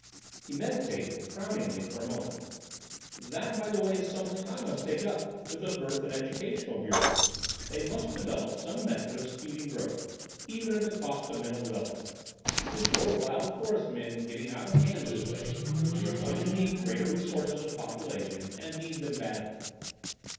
He meditated frowningly for a moment. "That, by the way, is something I must take up with the Birth and Educational Bureau. They must develop some method of speeding growth, even at the cost of mental development. With your wild forest men getting out of hand this way, we are going to need greater resources of population, and need them badly.